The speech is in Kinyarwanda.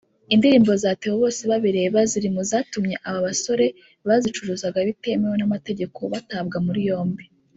Indirimbo za Theo Bosebabireba ziri mu zatumye aba basore bazicuruzaga bitemewe n'amategeko batabwa muri yombi